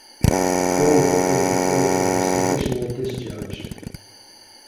Crowe pleaded guilty and was conditionally discharged.